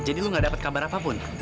jadi lu gak dapet kabar apapun